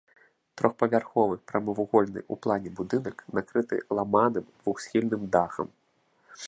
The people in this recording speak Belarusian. Трохпавярховы, прамавугольны ў плане будынак, накрыты ламаным двухсхільным дахам.